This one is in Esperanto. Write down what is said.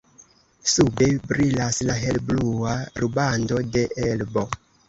Sube brilas la helblua rubando de Elbo.